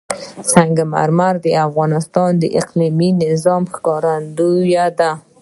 سنگ مرمر د افغانستان د اقلیمي نظام ښکارندوی ده.